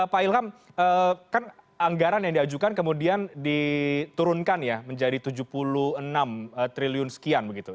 pak ilham kan anggaran yang diajukan kemudian diturunkan ya menjadi tujuh puluh enam triliun sekian begitu